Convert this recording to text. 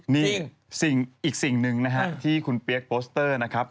นี่อีกสิ่งหนึ่งนะฮะที่คุณเปี๊ยกโปสเตอร์นะครับ